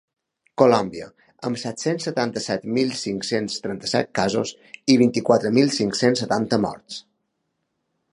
Colòmbia, amb set-cents setanta-set mil cinc-cents trenta-set casos i vint-i-quatre mil cinc-cents setanta morts.